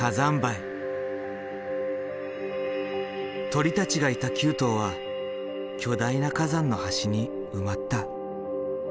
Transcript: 鳥たちがいた旧島は巨大な火山の端に埋まった。